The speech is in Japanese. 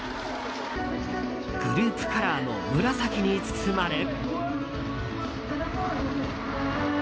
グループカラーの紫に包まれ。